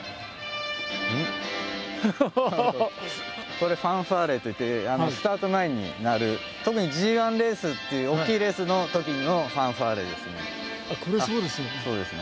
これ「ファンファーレ」といってスタート前に鳴る特にＧ１レースっていう大きいレースのときのファンファーレですね。